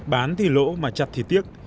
bán thì lỗ mà chặt thì tiếc